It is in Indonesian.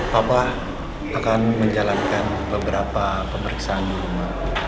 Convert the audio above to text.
bapak akan menjalankan beberapa pemeriksaan di rumah